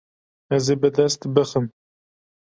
Ez ê bi dest bixim.